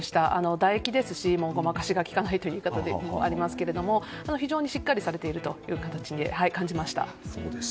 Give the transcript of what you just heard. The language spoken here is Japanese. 唾液ですし、ごまかしがきかないところもありますが非常にしっかりされていると感じました。